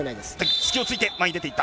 隙をついて、前に出ていった。